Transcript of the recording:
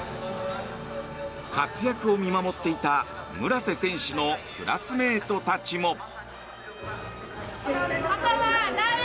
活躍を見守っていた村瀬選手のクラスメートたちも。